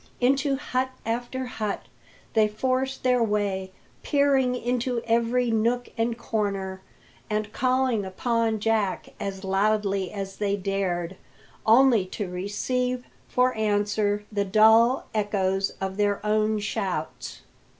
Into hut after hut they forced their way, peering into every nook and corner, and calling upon Jack as loudly as they dared; only to receive for answer the dull echoes of their own shouts.